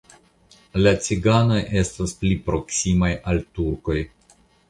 La ciganoj estas pli proksimaj al turkoj.